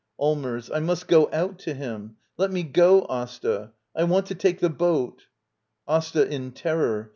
Allmers. I must go out to him! Let me go, Asta! I want to take the boat AsTA. [In terror.